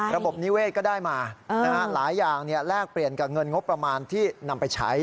ระบบนิเวศก็ได้มาหลายอย่างแลกเปลี่ยนกับเงินงบประมาณที่นำไปใช้